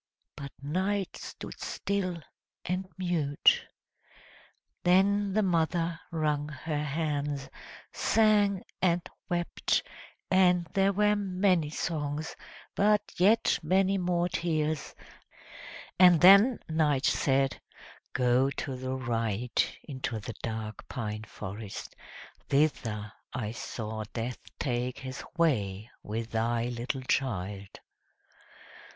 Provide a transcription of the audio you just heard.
But Night stood still and mute. Then the mother wrung her hands, sang and wept, and there were many songs, but yet many more tears; and then Night said, "Go to the right, into the dark pine forest; thither I saw Death take his way with thy little child!"